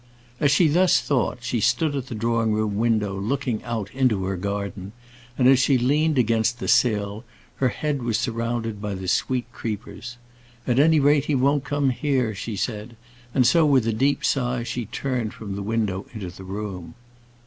As she thus thought, she stood at the drawing room window, looking out into her garden; and, as she leant against the sill, her head was surrounded by the sweet creepers. "At any rate, he won't come here," she said: and so, with a deep sigh, she turned from the window into the room.